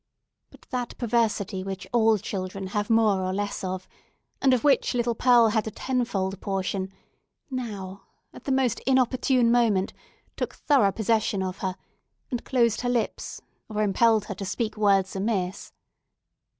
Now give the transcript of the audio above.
But that perversity, which all children have more or less of, and of which little Pearl had a tenfold portion, now, at the most inopportune moment, took thorough possession of her, and closed her lips, or impelled her to speak words amiss.